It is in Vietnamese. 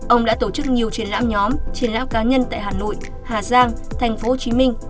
ông đã tổ chức nhiều triển lãm nhóm triển lãm cá nhân tại hà nội hà giang tp hcm